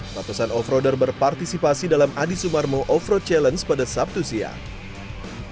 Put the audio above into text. batusan offroader berpartisipasi dalam adi sumarmo offroad challenge pada sabtu siang